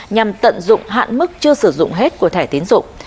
nhằm tận dụng hạn mức chưa sử dụng hết của thẻ tiến dụng